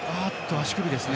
足首ですね。